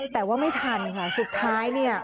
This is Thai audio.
แต่ว่าไม่ทันค่ะสุดท้ายเนี่ย